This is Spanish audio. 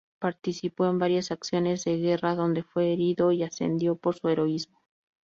Participó en varias acciones de guerra donde fue herido y ascendió por su heroísmo.